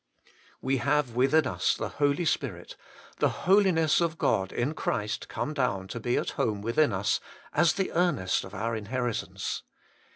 We have within us the Holy Spirit, the Holiness of God in Christ come down to be at home within us, as the earnest of our inheritance.